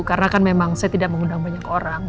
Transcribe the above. karena kan memang saya tidak mengundang banyak orang